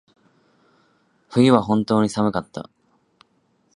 網走の冬は本当に寒かった。